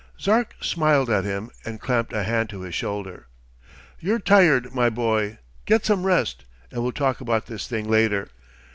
Zark smiled at him and clamped a hand to his shoulder. "You're tired, my boy. Get some rest and we'll talk about this thing later.